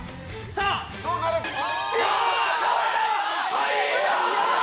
さあどうなる？